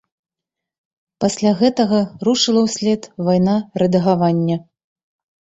Пасля гэтага рушыла ўслед вайна рэдагавання.